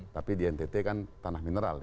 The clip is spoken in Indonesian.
tapi di ntt kan tanah mineral